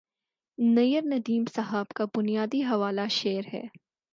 نیّرندیم صاحب کا بنیادی حوالہ شعر ہے